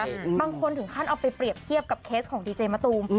บางคนถึงขั้นเอาไปเปรียบเทียบกับเคสของดีเจมะตูม